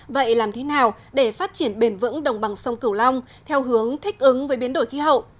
vậy làm thế nào để phát triển bền vững đồng bằng sông cửu long theo hướng thích ứng với biến đổi khí hậu